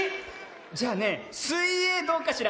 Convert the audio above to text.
じゃあねすいえいどうかしら？